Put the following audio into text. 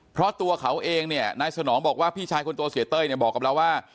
เพราะตัวเขาเองเนี่ยนายสนองบอกว่าพี่ชายคนโตเสียเต้ยเนี่ยบอกกับเราว่า